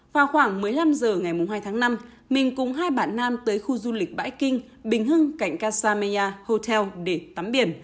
vào khoảng một mươi năm h ngày hai tháng năm mình cùng hai bạn nam tới khu du lịch bãi kinh bình hưng cạnh kasameya hotel để tắm biển